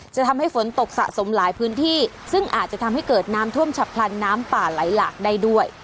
จะทำให้ฝนตกสะสมหลายพื้นที่ซึ่งอาจจะทำให้เกิดน้ำท่วมฉับพลันน้ำป่าไหลหลากได้ด้วย